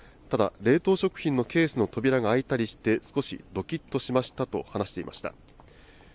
ただ冷凍食品のケースの扉が開いたりして少しどきっとしましたと話していました。